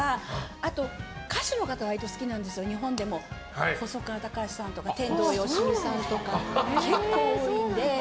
割と歌手の方は好きなんです、日本でも細川たかしさんとか天童よしみさんとか結構多いので。